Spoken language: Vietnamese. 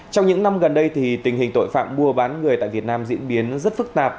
trong những năm gần đây tình hình tội phạm mua bán người tại việt nam diễn biến rất phức tạp